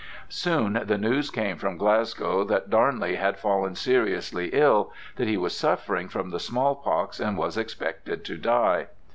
Soon the news came from Glasgow that Darnley had fallen seriously ill, that he was suffering from the small pox and was expected to die.